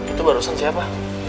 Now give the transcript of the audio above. ah sus itu barusan siapa